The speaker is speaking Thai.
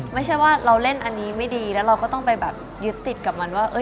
ไม่ใช่ว่าเราเล่นอันนี้ไม่ดีแล้วเราก็ต้องไปแบบยึดติดกับมันว่า